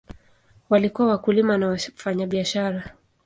Walikuwa wakulima na wafanyabiashara.